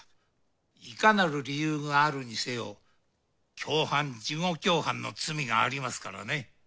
いかなる理由があるにせよ共犯事後共犯の罪がありますからね。